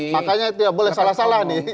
makanya tidak boleh salah salah nih